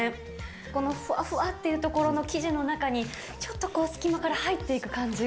このふわふわっていうところの生地の中に、ちょっと隙間から入っていく感じ。